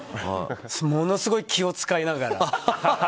ものすごい気を遣いながら。